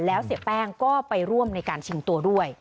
แล้วเสียแป้งก็ไปร่วมในการชิงตัวด้วย